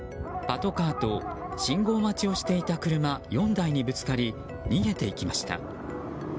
パトカーと、信号待ちをしていた車４台にぶつかり逃げていきました。